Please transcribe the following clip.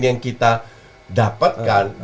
yang kita dapatkan